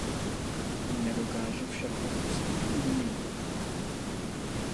Nedokáže však opustit umění.